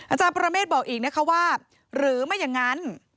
อาจารย์ประเมฆบอกอีกนะคะว่าหรือไม่อย่างนั้น